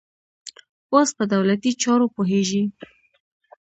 اوس په دولتي چارو پوهېږي.